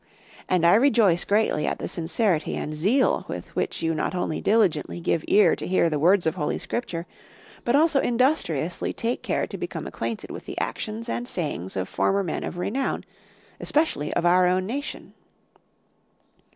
And I rejoice greatly at the sincerity and zeal, with which you not only diligently give ear to hear the words of Holy Scripture, but also industriously take care to become acquainted with the actions and sayings of former men of renown, especially of our own nation.